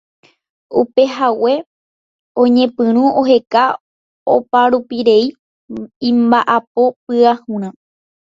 Upehague oñepyrũ oheka oparupirei imba'apo pyahurã.